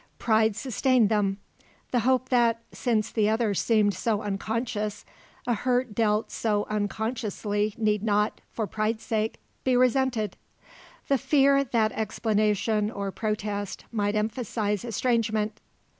Pride sustained them; the hope that, since the other seemed so unconscious, a hurt dealt so unconsciously need not, for pride's sake, be resented; the fear that explanation or protest might emphasise estrangement.